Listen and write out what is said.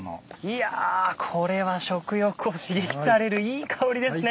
いやこれは食欲を刺激されるいい香りですね！